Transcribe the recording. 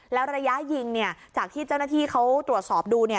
แล้วระยะยิงจากที่เจ้าหน้าที่เขาตรวจสอบดู